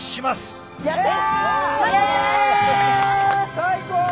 最高！